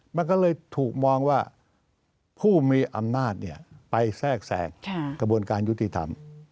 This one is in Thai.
มันก็เลยถูกมองว่าผู้มีอำนาจไปแทรกแทรงกระบวนการยุติธรรม